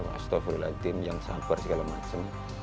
mas tofri latin yang sabar segala macem